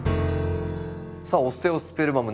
さあオステオスペルマム